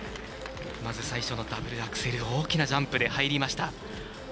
まず最初のダブルアクセル大きなジャンプで入りました。